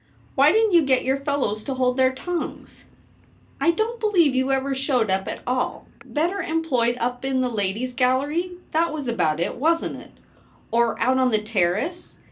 Why didn't you get your fellows to hold their tongues ?'' I don't believe you ever showed up at all — better employed up in the Ladies' Gallery, that was about it, wasn't it ?— or out on the Terrace